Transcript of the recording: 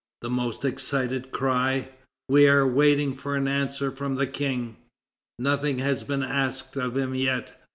The most excited cry: "We are waiting for an answer from the King. Nothing has been asked of him yet."